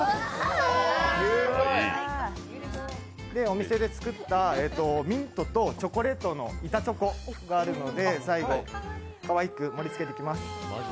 お店で作ったミントとチョコレートの板チョコがあるので、最後かわいく盛りつけていきます。